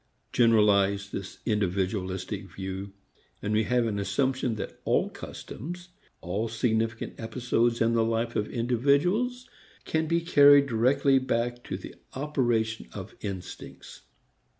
Generalize this individualistic view, and we have an assumption that all customs, all significant episodes in the life of individuals can be carried directly back to the operation of instincts.